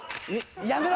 やめろ